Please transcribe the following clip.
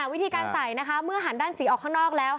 วิธีการใส่เมื่อหันด้านสีออกข้างนอกแล้ว